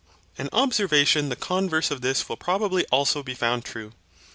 An observation the converse of this will probably also be found true.